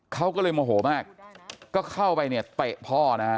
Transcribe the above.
เขาก็เลยโมโหมากก็เข้าไปเนี่ยเตะพ่อนะฮะ